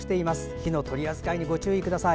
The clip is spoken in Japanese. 火の取り扱いにご注意ください。